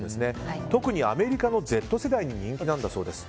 特にアメリカのＺ世代に人気なんだそうです。